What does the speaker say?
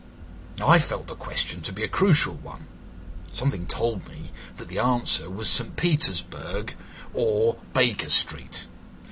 I felt the question to be a crucial one; something told me that the answer was St. Petersburg or Baker Street.